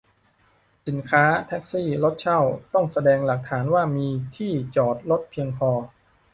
สินค้า แท็กซี่ รถเช่า ต้องแสดงหลักฐานว่ามีที่จอดรถเพียงพอ